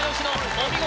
お見事